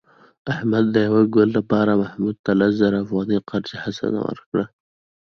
احمد د یو کال لپاره محمود ته لس زره افغانۍ قرض حسنه ورکړه.